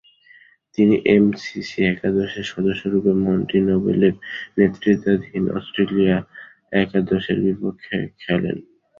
তিনি এমসিসি একাদশের সদস্যরূপে মন্টি নোবেলের নেতৃত্বাধীন অস্ট্রেলিয়া একাদশের বিপক্ষে খেলেন।